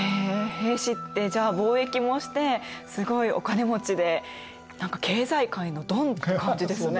平氏ってじゃあ貿易もしてすごいお金持ちで何か経済界のドンって感じですね。